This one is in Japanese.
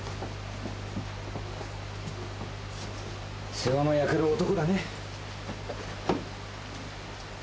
世話の焼ける男だね。